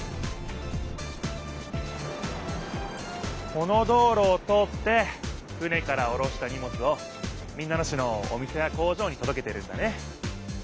この道ろを通って船からおろしたにもつを民奈野市のお店や工場にとどけてるんだね。